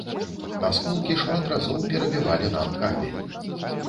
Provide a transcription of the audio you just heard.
Асколкі шмат разоў перабівалі нам кабель.